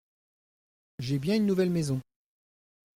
J’ai bien une nouvelle maison.